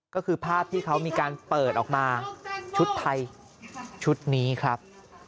ก็คือภาพที่เขามีการเปิดออกมาชุดไทยชุดนี้ครับ